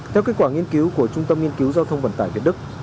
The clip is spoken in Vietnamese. theo kết quả nghiên cứu của trung tâm nghiên cứu giao thông vận tải việt đức